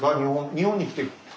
日本に来て。